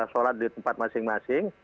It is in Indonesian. sholat di tempat masing masing